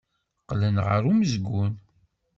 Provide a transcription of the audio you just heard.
Qqlen ɣer umezgun.